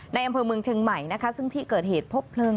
ในอำเภอเมืองเฉงใหม่ซึ่งพื้นที่เกิดเหตุพบเพลิง